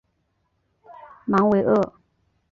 芒维厄。